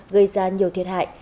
gây ra nhiều thiệt hại